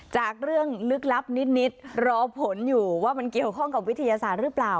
จากเรื่องลึกลับนิดรอผลอยู่ว่ามันเกี่ยวข้องกับวิทยาศาสตร์หรือเปล่า